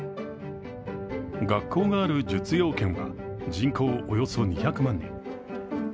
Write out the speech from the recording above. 学校があるジュツ陽県は人口およそ２００万人。